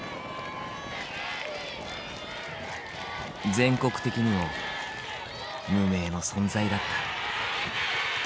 全国的にも無名の存在だった。